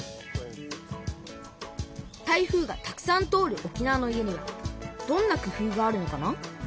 台風がたくさん通る沖縄の家にはどんな工夫があるのかな？